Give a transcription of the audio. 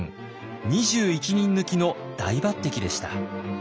２１人抜きの大抜擢でした。